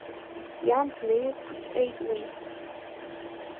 Иан днаиқәцәҟьеит уи.